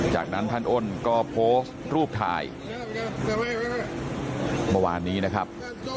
จากนั้นท่านอ้นก็โพสต์รูปถ่ายเมื่อวานนี้นะครับ